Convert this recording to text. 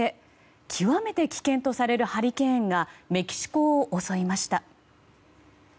極めて危険とされるハリケーンがメキシコを襲いました。